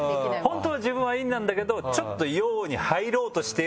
本当は自分は陰なんだけどちょっと。